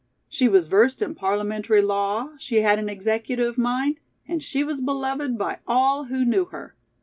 She was versed in parliamentary law, she had an executive mind, and she was beloved by all who knew her."